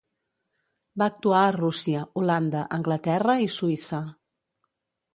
Va actuar a Rússia, Holanda, Anglaterra i Suïssa.